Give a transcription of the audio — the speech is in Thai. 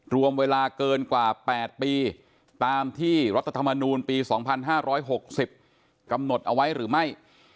รวมเวลาเกินกว่า๘ปีตามที่รัฐธรรมนูลปี๒๕๖๐กำหนดเอาไว้หรือไม่